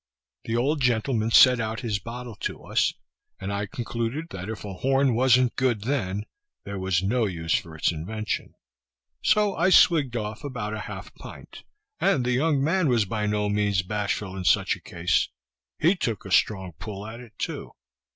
The old gentleman set out his bottle to us, and I concluded that if a horn wasn't good then, there was no use for its invention. So I swig'd off about a half pint, and the young man was by no means bashful in such a case; he took a strong pull at it too.